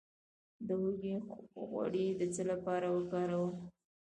د هوږې غوړي د څه لپاره وکاروم؟